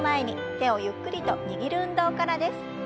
手をゆっくりと握る運動からです。